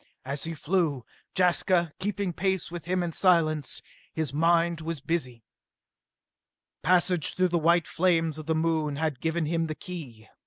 As he flew, Jaska keeping pace with him in silence, his mind was busy. Passage through the white flames of the Moon had given him the key.